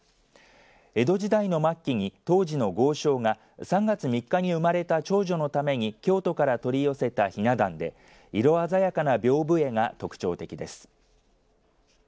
江戸時代の末期に当時の豪商が３月３日に生まれた長女のために京都から取り寄せたひな壇で色鮮やかなびょうぶ絵が特徴的です。